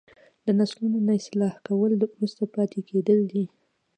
د نسلونو نه اصلاح کول وروسته پاتې کیدل دي.